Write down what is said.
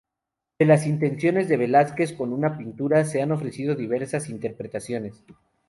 De las intenciones de Velázquez con esta pintura se han ofrecido diversas interpretaciones.